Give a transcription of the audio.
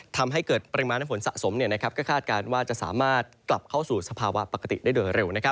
ทำให้เกิดปริมาณน้ำฝนสะสมก็คาดการณ์ว่าจะสามารถกลับเข้าสู่สภาวะปกติได้โดยเร็ว